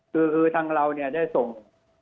ครับคือท่านเราในได้ส่ง